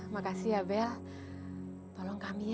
makasih ya bel tolong kami